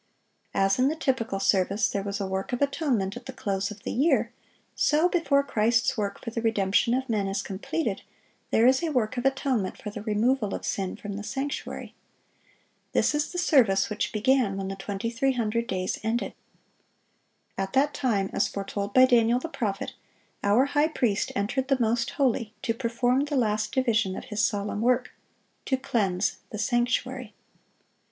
As in the typical service there was a work of atonement at the close of the year, so before Christ's work for the redemption of men is completed, there is a work of atonement for the removal of sin from the sanctuary. This is the service which began when the 2300 days ended. At that time, as foretold by Daniel the prophet, our High Priest entered the most holy, to perform the last division of His solemn work,—to cleanse the sanctuary.